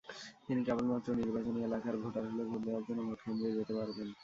তিনি কেবলমাত্র নির্বাচনী এলাকার ভোটার হলে ভোট দেওয়ার জন্য ভোটকেন্দ্রে যেতে পারবেন।